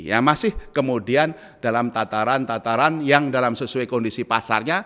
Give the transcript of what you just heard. yang masih kemudian dalam tataran tataran yang dalam sesuai kondisi pasarnya